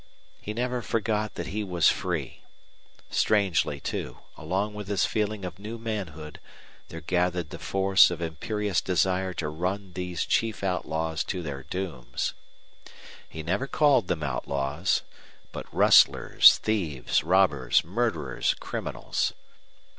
He never forgot that he was free. Strangely, too, along with this feeling of new manhood there gathered the force of imperious desire to run these chief outlaws to their dooms. He never called them outlaws but rustlers, thieves, robbers, murderers, criminals.